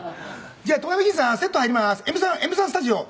「じゃあ『遠山の金さん』セット入ります」「Ｍ３スタジオ」。